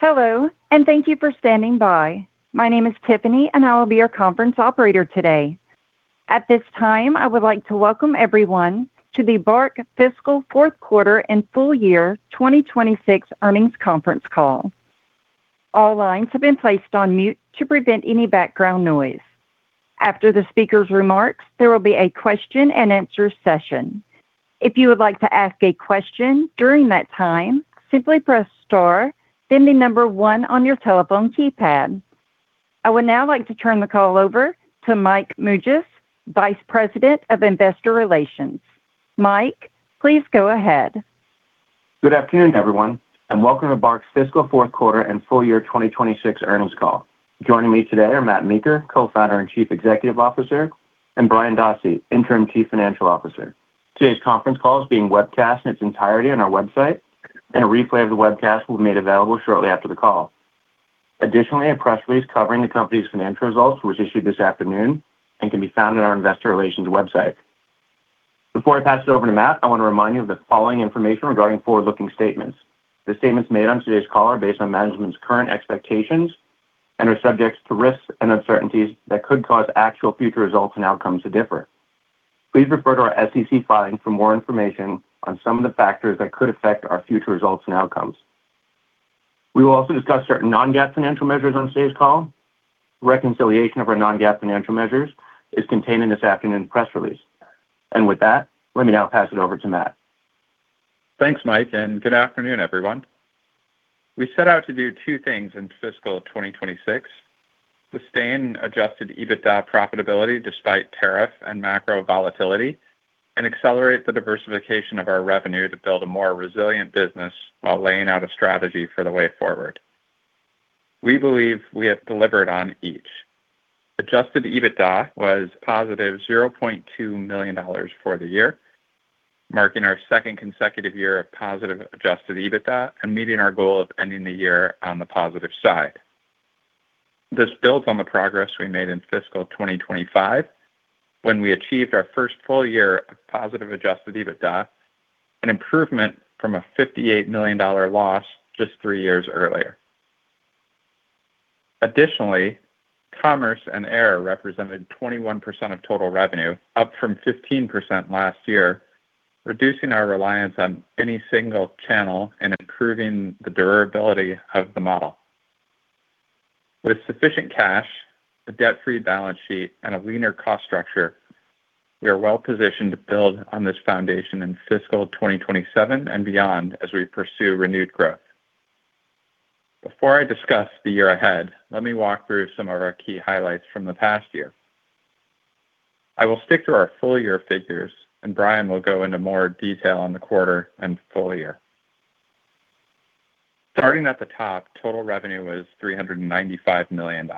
Hello. Thank you for standing by. My name is Tiffany. I will be your conference operator today. At this time, I would like to welcome everyone to the BARK Fiscal Fourth Quarter and Full Year 2026 Earnings Conference Call. All lines have been placed on mute to prevent any background noise. After the speaker's remarks, there will be a question and answer session. If you would like to ask a question during that time, simply press star, then the number one on your telephone keypad. I would now like to turn the call over to Michael Mougias, Vice President of Investor Relations. Mike, please go ahead. Good afternoon, everyone. Welcome to BARK's Fiscal Fourth Quarter and Full Year 2026 Earnings Call. Joining me today are Matt Meeker, Co-founder and Chief Executive Officer, and Brian Dostie, Interim Chief Financial Officer. Today's conference call is being webcast in its entirety on our website. A replay of the webcast will be made available shortly after the call. Additionally, a press release covering the company's financial results was issued this afternoon and can be found on our investor relations website. Before I pass it over to Matt, I want to remind you of the following information regarding forward-looking statements. The statements made on today's call are based on management's current expectations and are subject to risks and uncertainties that could cause actual future results and outcomes to differ. Please refer to our SEC filing for more information on some of the factors that could affect our future results and outcomes. We will also discuss certain non-GAAP financial measures on today's call. Reconciliation of our non-GAAP financial measures is contained in this afternoon's press release. With that, let me now pass it over to Matt. Thanks, Mike. Good afternoon, everyone. We set out to do two things in fiscal 2026: sustain Adjusted EBITDA profitability despite tariff and macro volatility, and accelerate the diversification of our revenue to build a more resilient business while laying out a strategy for the way forward. We believe we have delivered on each. Adjusted EBITDA was positive $0.2 million for the year, marking our second consecutive year of positive Adjusted EBITDA and meeting our goal of ending the year on the positive side. This builds on the progress we made in fiscal 2025, when we achieved our first full year of positive Adjusted EBITDA, an improvement from a $58 million loss just three years earlier. Additionally, Commerce and air represented 21% of total revenue, up from 15% last year, reducing our reliance on any single channel and improving the durability of the model. With sufficient cash, a debt-free balance sheet, and a leaner cost structure, we are well positioned to build on this foundation in fiscal 2027 and beyond as we pursue renewed growth. Before I discuss the year ahead, let me walk through some of our key highlights from the past year. I will stick to our full-year figures, and Brian will go into more detail on the quarter and full year. Starting at the top, total revenue was $395 million.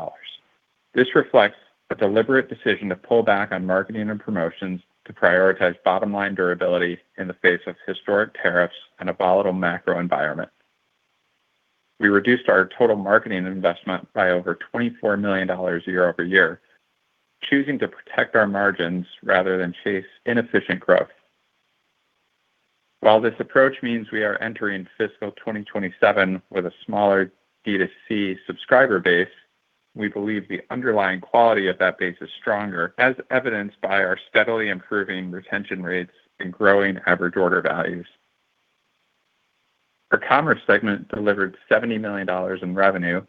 This reflects a deliberate decision to pull back on marketing and promotions to prioritize bottom-line durability in the face of historic tariffs and a volatile macro environment. We reduced our total marketing investment by over $24 million year-over-year, choosing to protect our margins rather than chase inefficient growth. While this approach means we are entering fiscal 2027 with a smaller D2C subscriber base, we believe the underlying quality of that base is stronger, as evidenced by our steadily improving retention rates and growing average order values. Our Commerce segment delivered $70 million in revenue,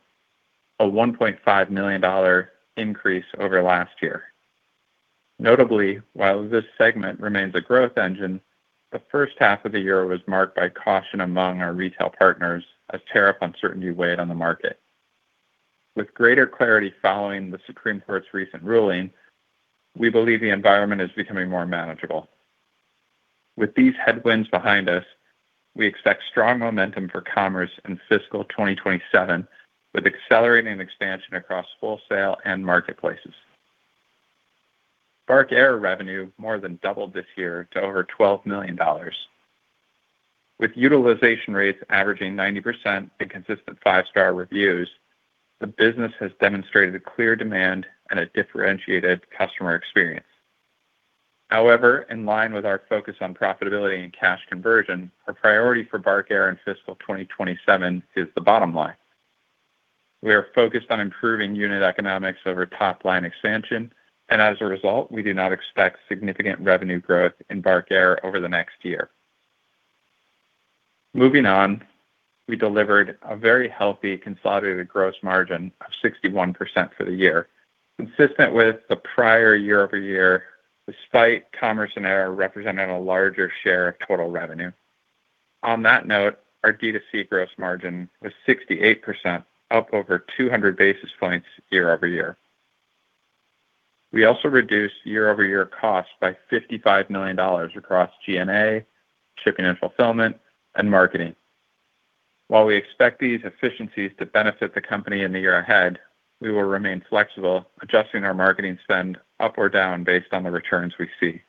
a $1.5 million increase over last year. Notably, while this segment remains a growth engine, the first half of the year was marked by caution among our retail partners as tariff uncertainty weighed on the market. With greater clarity following the Supreme Court's recent ruling, we believe the environment is becoming more manageable. With these headwinds behind us, we expect strong momentum for Commerce in fiscal 2027, with accelerating expansion across full-sale and marketplaces. BARK Air revenue more than doubled this year to over $12 million. With utilization rates averaging 90% and consistent five-star reviews, the business has demonstrated a clear demand and a differentiated customer experience. However, in line with our focus on profitability and cash conversion, our priority for BARK Air in fiscal 2027 is the bottom line. We are focused on improving unit economics over top-line expansion, and as a result, we do not expect significant revenue growth in BARK Air over the next year. Moving on, we delivered a very healthy consolidated gross margin of 61% for the year, consistent with the prior year-over-year, despite Commerce and BARK Air representing a larger share of total revenue. On that note, our D2C gross margin was 68%, up over 200 basis points year-over-year. We also reduced year-over-year costs by $55 million across G&A, shipping and fulfillment, and marketing. While we expect these efficiencies to benefit the company in the year ahead, we will remain flexible, adjusting our marketing spend up or down based on the returns we see.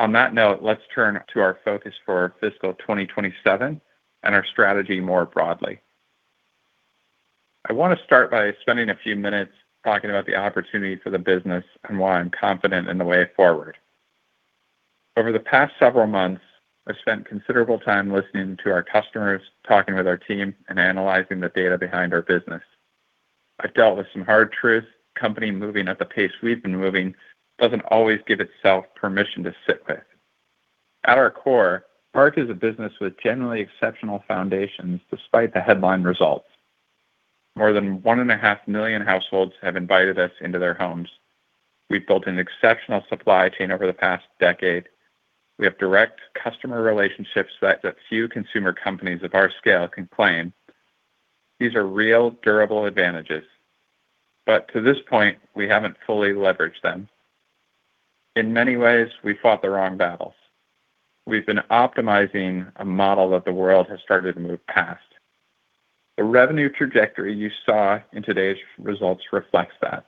On that note, let's turn to our focus for fiscal 2027 and our strategy more broadly. I want to start by spending a few minutes talking about the opportunity for the business and why I'm confident in the way forward. Over the past several months, I've spent considerable time listening to our customers, talking with our team, and analyzing the data behind our business. I've dealt with some hard truths a company moving at the pace we've been moving doesn't always give itself permission to sit with. At our core, BARK is a business with generally exceptional foundations despite the headline results. More than one and a half million households have invited us into their homes. We've built an exceptional supply chain over the past decade. We have direct customer relationships that few consumer companies of our scale can claim. These are real, durable advantages. To this point, we haven't fully leveraged them. In many ways, we fought the wrong battles. We've been optimizing a model that the world has started to move past. The revenue trajectory you saw in today's results reflects that.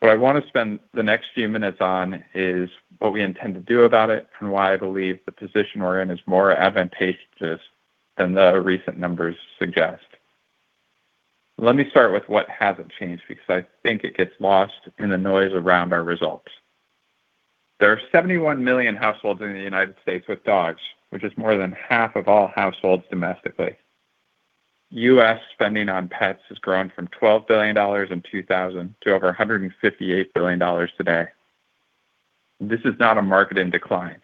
What I want to spend the next few minutes on is what we intend to do about it and why I believe the position we're in is more advantageous than the recent numbers suggest. Let me start with what hasn't changed, because I think it gets lost in the noise around our results. There are 71 million households in the U.S. with dogs, which is more than half of all households domestically. U.S. spending on pets has grown from $12 billion in 2000 to over $158 billion today. This is not a market in decline.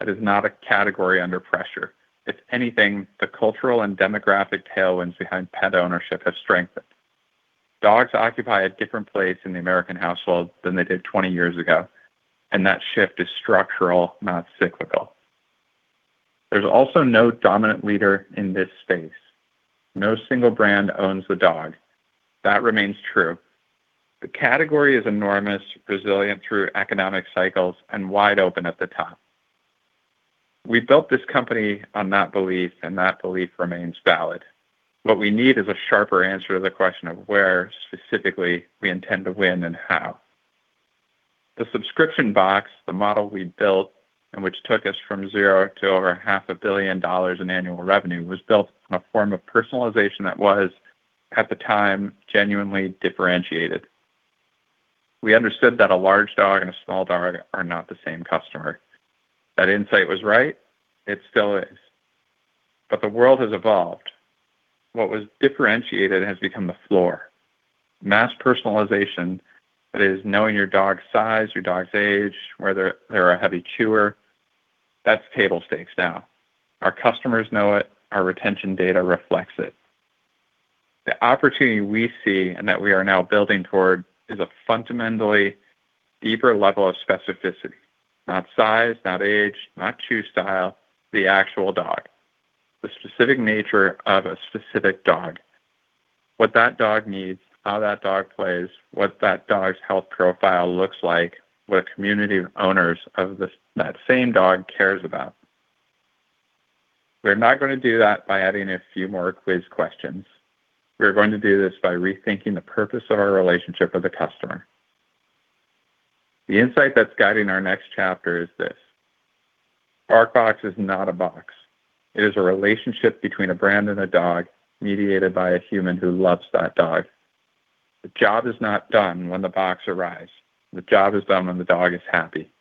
It is not a category under pressure. If anything, the cultural and demographic tailwinds behind pet ownership have strengthened. Dogs occupy a different place in the American household than they did 20 years ago, that shift is structural, not cyclical. There's also no dominant leader in this space. No single brand owns the dog. That remains true. The category is enormous, resilient through economic cycles, and wide open at the top. We built this company on that belief, that belief remains valid. What we need is a sharper answer to the question of where, specifically, we intend to win and how. The subscription box, the model we built, which took us from zero to over half a billion dollars in annual revenue, was built on a form of personalization that was, at the time, genuinely differentiated. We understood that a large dog and a small dog are not the same customer. That insight was right. It still is. The world has evolved. What was differentiated has become the floor. Mass personalization, that is knowing your dog's size, your dog's age, whether they're a heavy chewer, that's table stakes now. Our customers know it. Our retention data reflects it. The opportunity we see, that we are now building toward, is a fundamentally deeper level of specificity. Not size, not age, not chew style, the actual dog. The specific nature of a specific dog. What that dog needs, how that dog plays, what that dog's health profile looks like, what a community of owners of that same dog cares about. We're not going to do that by adding a few more quiz questions. We're going to do this by rethinking the purpose of our relationship with the customer. The insight that's guiding our next chapter is this: BarkBox is not a box. It is a relationship between a brand and a dog, mediated by a human who loves that dog. The job is not done when the box arrives. The job is done when the dog is happy.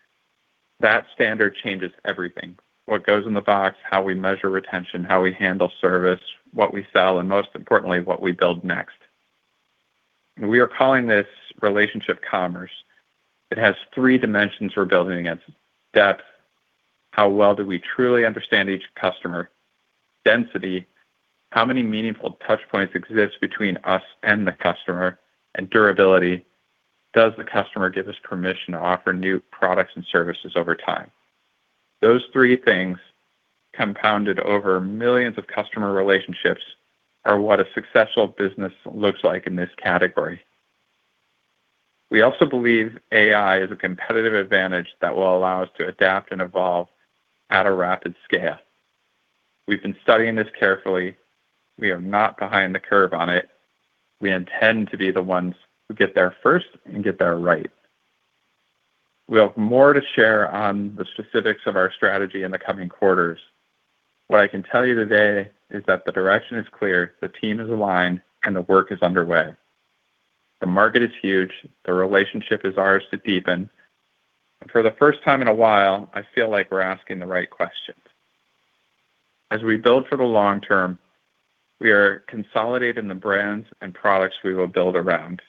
That standard changes everything. What goes in the box, how we measure retention, how we handle service, what we sell, most importantly, what we build next. We are calling this Relationship Commerce. It has three dimensions we're building against. Depth, how well do we truly understand each customer. Density, how many meaningful touchpoints exist between us and the customer. Durability, does the customer give us permission to offer new products and services over time. Those three things, compounded over millions of customer relationships, are what a successful business looks like in this category. We also believe AI is a competitive advantage that will allow us to adapt and evolve at a rapid scale. We've been studying this carefully. We are not behind the curve on it. We intend to be the ones who get there first and get there right. We'll have more to share on the specifics of our strategy in the coming quarters. What I can tell you today is that the direction is clear, the team is aligned, and the work is underway. The market is huge. The relationship is ours to deepen. For the first time in a while, I feel like we're asking the right questions. As we build for the long term, we are consolidating the brands and products we will build around.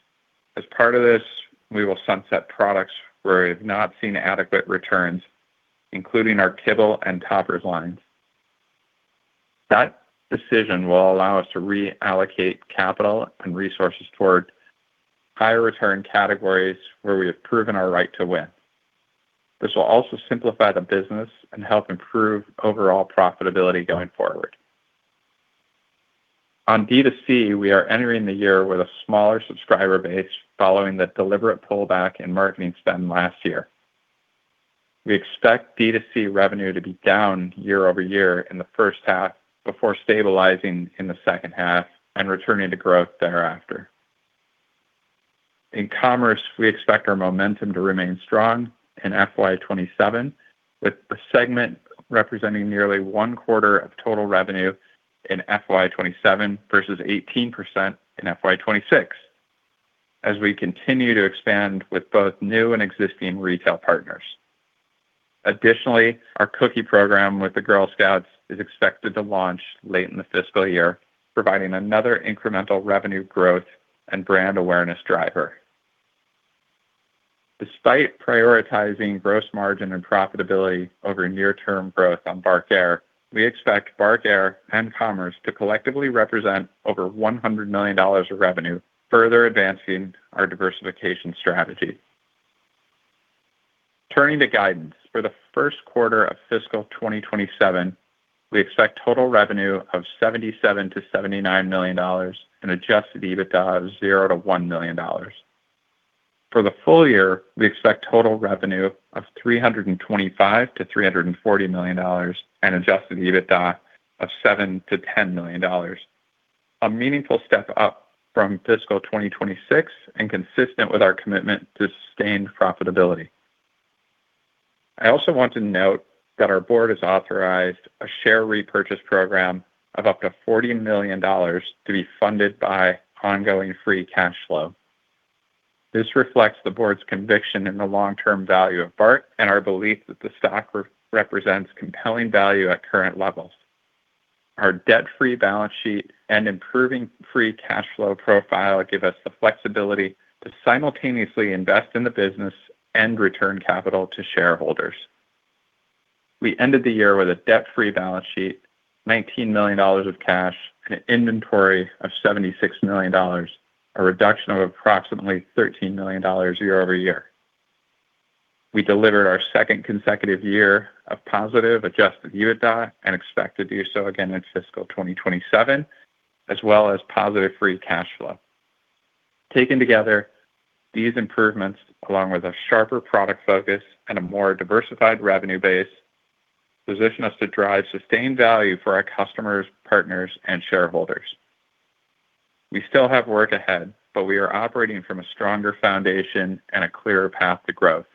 As part of this, we will sunset products where we have not seen adequate returns, including our kibble and toppers lines. That decision will allow us to reallocate capital and resources toward higher-return categories where we have proven our right to win. This will also simplify the business and help improve overall profitability going forward. On D2C, we are entering the year with a smaller subscriber base following the deliberate pullback in marketing spend last year. We expect D2C revenue to be down year-over-year in the first half before stabilizing in the second half and returning to growth thereafter. In Commerce, we expect our momentum to remain strong in FY 2027, with the segment representing nearly one quarter of total revenue in FY 2027 versus 18% in FY 2026, as we continue to expand with both new and existing retail partners. Additionally, our cookie program with the Girl Scouts is expected to launch late in the fiscal year, providing another incremental revenue growth and brand awareness driver. Despite prioritizing gross margin and profitability over near-term growth on BARK Air, we expect BARK Air and Commerce to collectively represent over $100 million of revenue, further advancing our diversification strategy. Turning to guidance. For the first quarter of fiscal 2027, we expect total revenue of $77 million-$79 million, an Adjusted EBITDA of $0-$1 million. For the full year, we expect total revenue of $325 million-$340 million and Adjusted EBITDA of $7 million-$10 million, a meaningful step up from fiscal 2026 and consistent with our commitment to sustained profitability. I also want to note that our board has authorized a share repurchase program of up to $40 million to be funded by ongoing free cash flow. This reflects the board's conviction in the long-term value of BARK and our belief that the stock represents compelling value at current levels. Our debt-free balance sheet and improving free cash flow profile give us the flexibility to simultaneously invest in the business and return capital to shareholders. We ended the year with a debt-free balance sheet, $19 million of cash, and an inventory of $76 million, a reduction of approximately $13 million year-over-year. We delivered our second consecutive year of positive Adjusted EBITDA and expect to do so again in fiscal 2027, as well as positive free cash flow. Taken together, these improvements, along with a sharper product focus and a more diversified revenue base, position us to drive sustained value for our customers, partners, and shareholders. We still have work ahead, but we are operating from a stronger foundation and a clearer path to growth.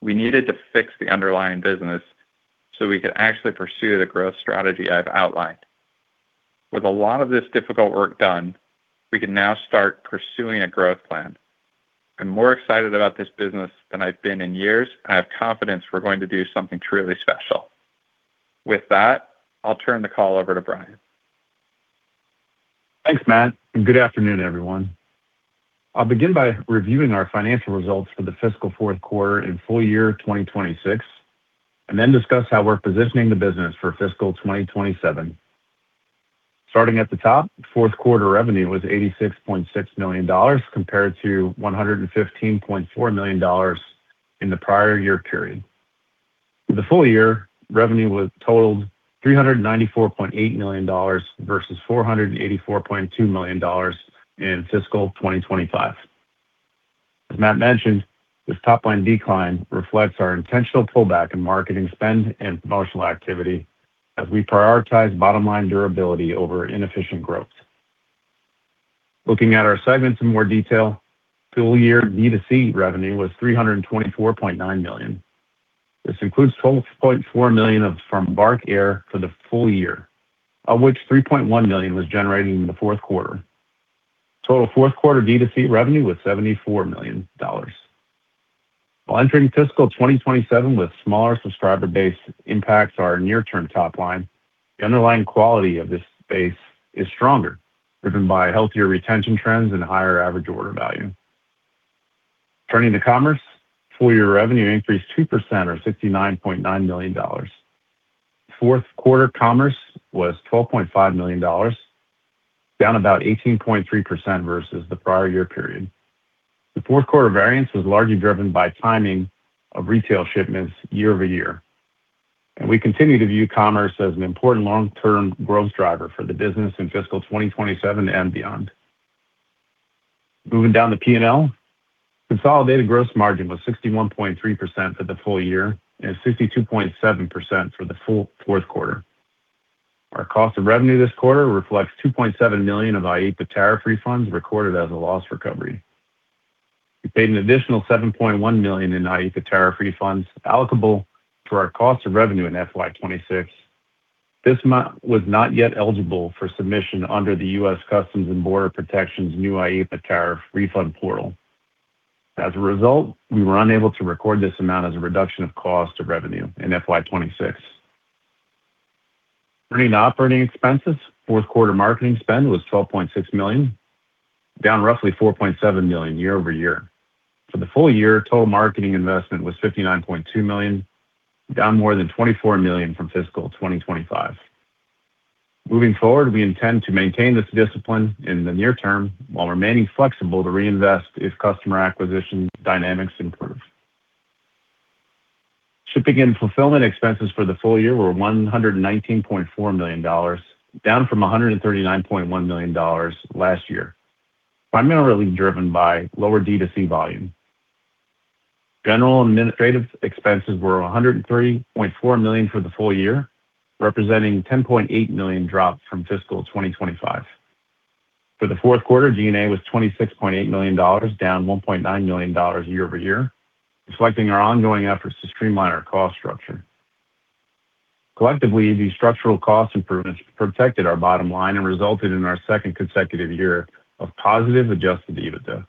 We needed to fix the underlying business so we could actually pursue the growth strategy I've outlined. With a lot of this difficult work done, we can now start pursuing a growth plan. I'm more excited about this business than I've been in years. I have confidence we're going to do something truly special. With that, I'll turn the call over to Brian. Thanks, Matt, and good afternoon, everyone. I'll begin by reviewing our financial results for the fiscal fourth quarter and full year 2026, and then discuss how we're positioning the business for fiscal 2027. Starting at the top, fourth quarter revenue was $86.6 million, compared to $115.4 million in the prior year period. For the full year, revenue totaled $394.8 million versus $484.2 million in fiscal 2025. As Matt mentioned, this top-line decline reflects our intentional pullback in marketing spend and promotional activity as we prioritize bottom-line durability over inefficient growth. Looking at our segments in more detail, full year D2C revenue was $324.9 million. This includes $12.4 million from BARK Air for the full year, of which $3.1 million was generated in the fourth quarter. Total fourth quarter D2C revenue was $74 million. While entering fiscal 2027 with smaller subscriber base impacts our near-term top line, the underlying quality of this space is stronger, driven by healthier retention trends and higher average order value. Turning to commerce, full year revenue increased 2% or $69.9 million. Fourth quarter commerce was $12.5 million, down about 18.3% versus the prior year period. The fourth quarter variance was largely driven by timing of retail shipments year-over-year, and we continue to view commerce as an important long-term growth driver for the business in fiscal 2027 and beyond. Moving down to P&L, consolidated gross margin was 61.3% for the full year and 62.7% for the full fourth quarter. Our cost of revenue this quarter reflects $2.7 million of IEEPA tariff refunds recorded as a loss recovery. We paid an additional $7.1 million in IEEPA tariff refunds allocable to our cost of revenue in FY 2026. This amount was not yet eligible for submission under the U.S. Customs and Border Protection's new IEEPA tariff refund portal. As a result, we were unable to record this amount as a reduction of cost of revenue in FY 2026. Turning to operating expenses, fourth quarter marketing spend was $12.6 million, down roughly $4.7 million year-over-year. For the full year, total marketing investment was $59.2 million, down more than $24 million from fiscal 2025. Moving forward, we intend to maintain this discipline in the near term while remaining flexible to reinvest if customer acquisition dynamics improve. Shipping and fulfillment expenses for the full year were $119.4 million, down from $139.1 million last year, primarily driven by lower D2C volume. General and administrative expenses were $103.4 million for the full year, representing a $10.8 million drop from fiscal 2025. For the fourth quarter, G&A was $26.8 million, down $1.9 million year-over-year, reflecting our ongoing efforts to streamline our cost structure. Collectively, these structural cost improvements protected our bottom line and resulted in our second consecutive year of positive Adjusted EBITDA.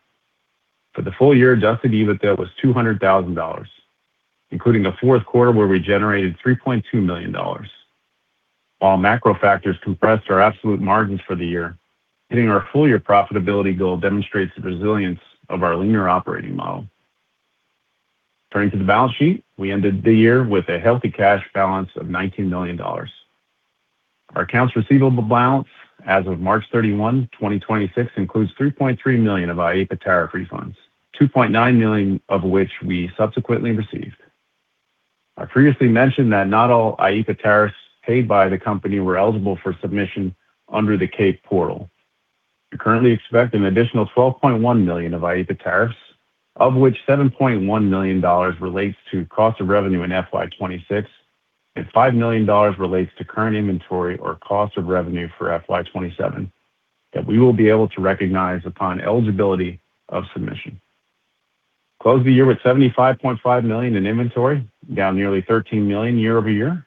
For the full year, Adjusted EBITDA was $200,000, including a fourth quarter where we generated $3.2 million. While macro factors compressed our absolute margins for the year, hitting our full-year profitability goal demonstrates the resilience of our leaner operating model. Turning to the balance sheet, we ended the year with a healthy cash balance of $19 million. Our accounts receivable balance as of March 31, 2026 includes $3.3 million of IEEPA tariff refunds, $2.9 million of which we subsequently received. I previously mentioned that not all IEEPA tariffs paid by the company were eligible for submission under the CAPE portal. We currently expect an additional $12.1 million of IEEPA tariffs, of which $7.1 million relates to cost of revenue in FY 2026, and $5 million relates to current inventory or cost of revenue for FY 2027 that we will be able to recognize upon eligibility of submission. We closed the year with $75.5 million in inventory, down nearly $13 million year-over-year.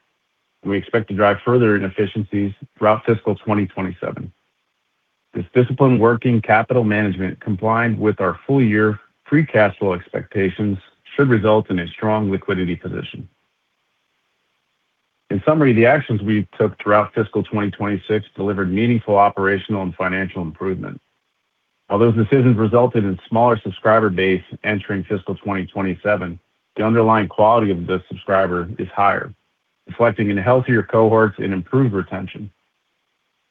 We expect to drive further efficiencies throughout fiscal 2027. This disciplined working capital management combined with our full-year free cash flow expectations should result in a strong liquidity position. In summary, the actions we took throughout fiscal 2026 delivered meaningful operational and financial improvement. While those decisions resulted in a smaller subscriber base entering fiscal 2027, the underlying quality of the subscriber is higher, reflecting in healthier cohorts and improved retention.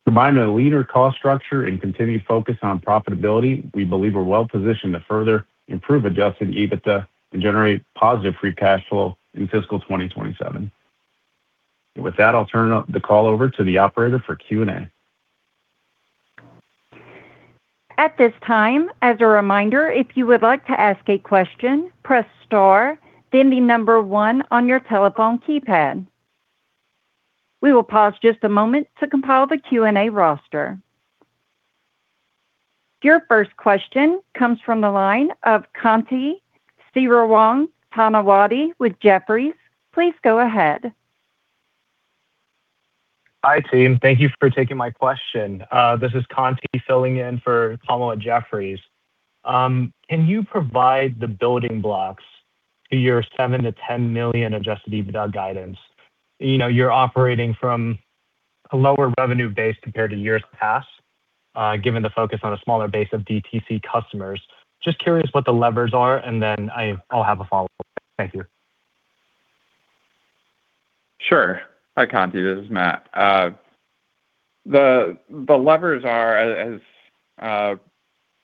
Combined with a leaner cost structure and continued focus on profitability, we believe we're well positioned to further improve Adjusted EBITDA and generate positive free cash flow in fiscal 2027. With that, I'll turn the call over to the operator for Q&A. At this time, as a reminder, if you would like to ask a question, press star, then the number one on your telephone keypad. We will pause just a moment to compile the Q&A roster. Your first question comes from the line of Kontee Siravongtanawadi with Jefferies. Please go ahead. Hi, team. Thank you for taking my question. This is Kontee filling in for Tomo at Jefferies. Can you provide the building blocks to your $7 million to $10 million Adjusted EBITDA guidance? You're operating from a lower revenue base compared to years past, given the focus on a smaller base of DTC customers. Just curious what the levers are, and then I'll have a follow-up. Thank you. Sure. Hi, Kontee. This is Matt. The levers are, as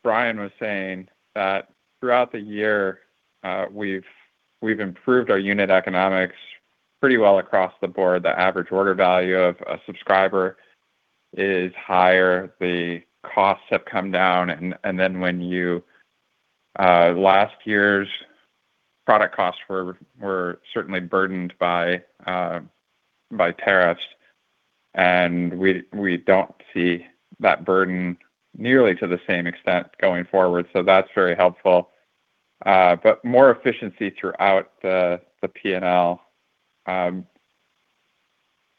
Brian was saying, that throughout the year, we've improved our unit economics pretty well across the board. The average order value of a subscriber is higher. The costs have come down. Last year's product costs were certainly burdened by tariffs, and we don't see that burden nearly to the same extent going forward. That's very helpful. More efficiency throughout the P&L.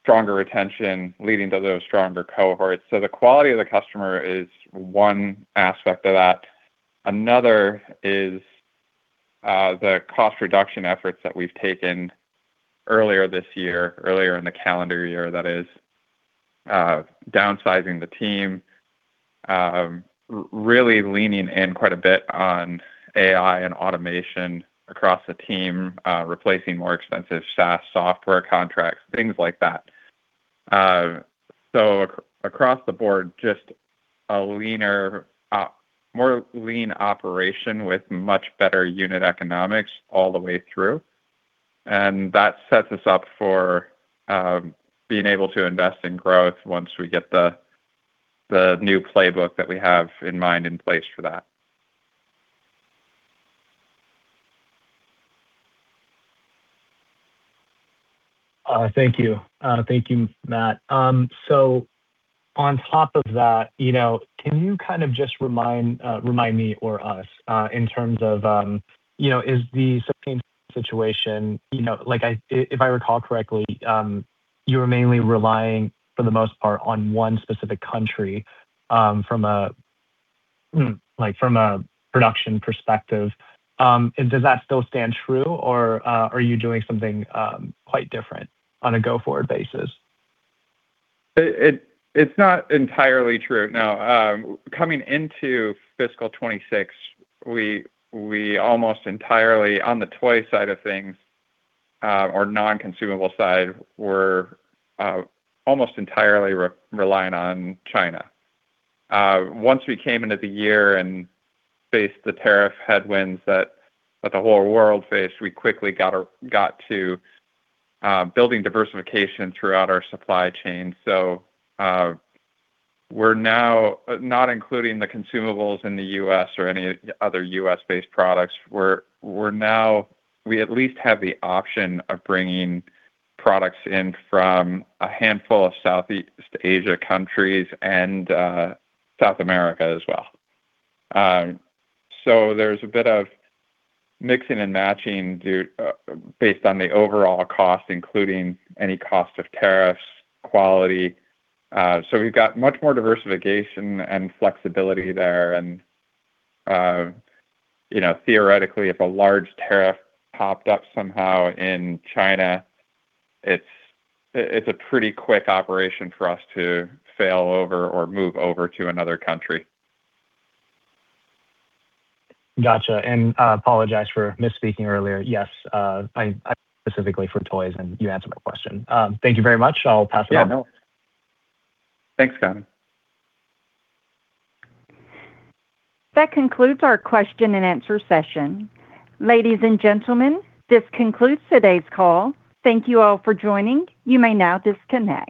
Stronger retention leading to those stronger cohorts. The quality of the customer is one aspect of that. Another is the cost reduction efforts that we've taken earlier this year, earlier in the calendar year that is. Downsizing the team. Really leaning in quite a bit on AI and automation across the team. Replacing more expensive SaaS software contracts, things like that. Across the board, just a more lean operation with much better unit economics all the way through. That sets us up for being able to invest in growth once we get the new playbook that we have in mind in place for that. Thank you. Thank you, Matt. On top of that, can you kind of just remind me or us in terms of is the situation, if I recall correctly, you were mainly relying for the most part, on one specific country from a production perspective. Does that still stand true, or are you doing something quite different on a go-forward basis? It's not entirely true. No. Coming into fiscal 2026, we almost entirely, on the toy side of things, or non-consumable side, were almost entirely reliant on China. Once we came into the year and faced the tariff headwinds that the whole world faced, we quickly got to building diversification throughout our supply chain. We're now not including the consumables in the U.S. or any other U.S.-based products. We at least have the option of bringing products in from a handful of Southeast Asia countries and South America as well. There's a bit of mixing and matching based on the overall cost, including any cost of tariffs, quality. We've got much more diversification and flexibility there, and theoretically, if a large tariff popped up somehow in China, it's a pretty quick operation for us to fail over or move over to another country. Got you. I apologize for misspeaking earlier. Yes, I specifically for toys. You answered my question. Thank you very much. I'll pass it on. Yeah. Thanks, Kontee. That concludes our question and answer session. Ladies and gentlemen, this concludes today's call. Thank you all for joining. You may now disconnect.